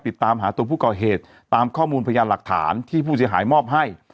ติดตามหาตัวผู้ก่อเหตุตามข้อมูลพยานหลักฐานที่ผู้เสียหายมอบให้